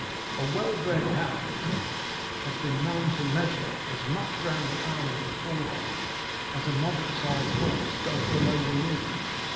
A well bred hound has been known to measure as much round the arm of the fore leg as a moderate sized horse does below the knee.